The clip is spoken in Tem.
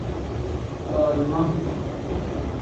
Tolima.